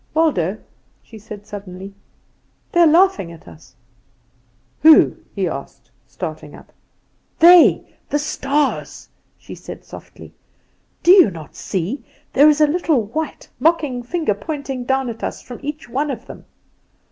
"Waldo," she said, suddenly, "they are laughing at us." "Who?" he asked, starting up. "They the stars!" she said, softly. "Do you not see? There is a little white, mocking finger pointing down at us from each one of them!